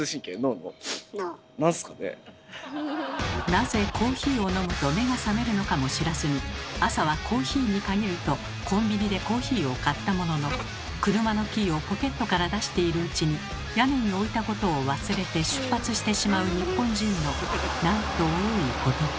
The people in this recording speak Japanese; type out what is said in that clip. なぜコーヒーを飲むと目が覚めるのかも知らずに「朝はコーヒーに限る」とコンビニでコーヒーを買ったものの車のキーをポケットから出しているうちに屋根に置いたことを忘れて出発してしまう日本人のなんと多いことか。